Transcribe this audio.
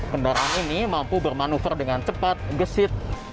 kendaraan ini mampu bermanuver dengan cepat gesit